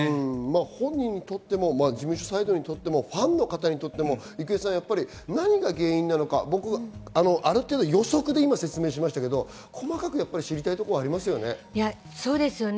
本人にとっても事務所にとってもファンにとっても何が原因なのか、ある程度、予測で今、説明しましたけど細かく知りたいところはありますよね。